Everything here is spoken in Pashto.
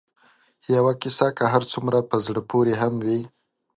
یوه کیسه که هر څومره په زړه پورې هم وي